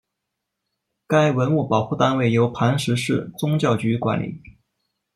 该文物保护单位由磐石市宗教局管理。